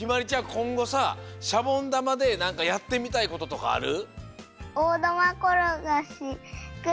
こんごさシャボンだまでなんかやってみたいこととかある？